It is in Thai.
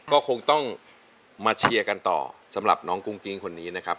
ก็คงต้องมาเชียร์กันต่อสำหรับน้องกุ้งกิ้งคนนี้นะครับ